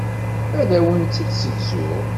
Ad awent-tt-id-ssegzuɣ.